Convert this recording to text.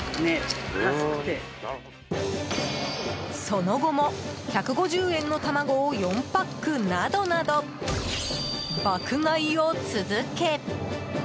その後も１５０円の卵を４パックなどなど爆買いを続け。